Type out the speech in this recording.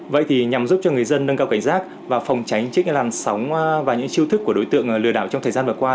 vậy thì nhằm giúp cho người dân nâng cao cảnh giác và phòng tránh trước làn sóng và những chiêu thức của đối tượng lừa đảo trong thời gian vừa qua